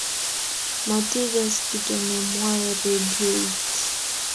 matikas kito ne mwoe redioit